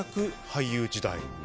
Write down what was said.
俳優時代。